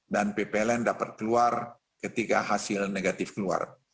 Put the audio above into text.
dan ppln dapat keluar ketika hasil negatif keluar